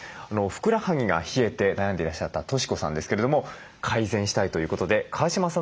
ふくらはぎが冷えて悩んでいらっしゃった俊子さんですけれども改善したいということで川嶋さんのクリニックを訪れました。